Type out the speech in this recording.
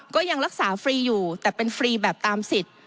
ก็ยังรักษาฟรีอยู่แต่เป็นฟรีแบบตามสิทธิ์